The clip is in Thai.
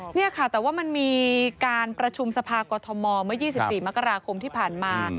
นี่ค่ะแต่ว่ามันมีการประชุมสภากอทมเมื่อ๒๔มกราคมที่ผ่านมา